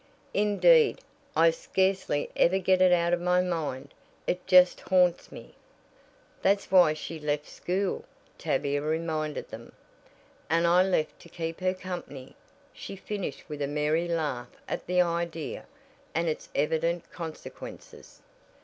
"Indeed, I scarcely ever get it out of my mind. It just haunts me." "That's why she left school," Tavia reminded them, "And I left to keep her company," she finished with a merry laugh at the idea, and its evident consequences.